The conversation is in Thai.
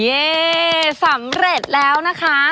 นี่สำเร็จแล้วนะคะ